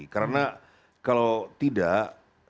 karena kalau tidak